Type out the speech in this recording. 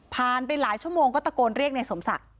ไปหลายชั่วโมงก็ตะโกนเรียกในสมศักดิ์